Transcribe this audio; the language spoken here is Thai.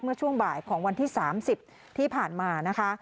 เมื่อช่วงบ่ายของวันที่๓๐ที่ผ่านมานะคะ